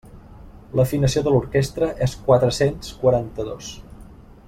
L'afinació de l'orquestra és quatre-cents quaranta-dos.